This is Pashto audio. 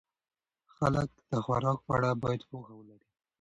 خلک د خوراک په اړه باید پوهه ولري.